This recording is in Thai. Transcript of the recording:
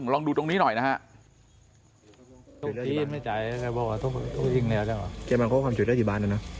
ลองดูตรงนี้หน่อยนะฮะ